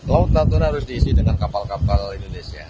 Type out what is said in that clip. laut natuna harus diisi dengan kapal kapal indonesia